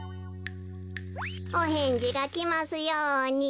おへんじがきますように。